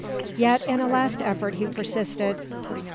Yet in a last effort he persisted.